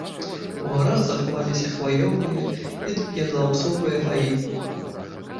У гарах захаваліся хваёвыя і ядлаўцовыя гаі.